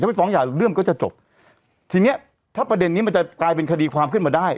ไปฟ้องหย่าเรื่องก็จะจบทีเนี้ยถ้าประเด็นนี้มันจะกลายเป็นคดีความขึ้นมาได้